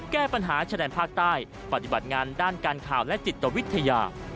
แก้ปัญหาชะแดนภาคใต้ปฏิบัติงานด้านการข่าวและจิตวิทยา